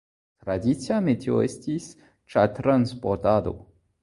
Tradicia metio estis ĉartransportado.